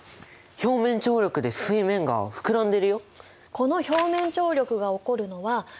表面張力で水面が膨らんでるよ！